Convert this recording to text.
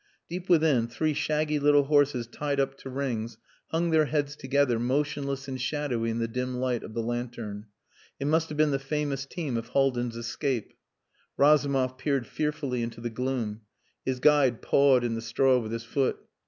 Deep within, three shaggy little horses tied up to rings hung their heads together, motionless and shadowy in the dim light of the lantern. It must have been the famous team of Haldin's escape. Razumov peered fearfully into the gloom. His guide pawed in the straw with his foot.